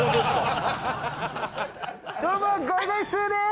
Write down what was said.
どうもゴイゴイスーです！